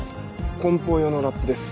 梱包用のラップです